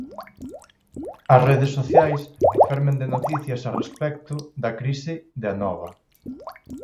As redes sociais ferven de noticias a respecto da crise de Anova.